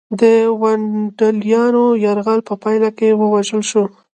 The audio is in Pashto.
د ونډالیانو یرغل په پایله کې ووژل شو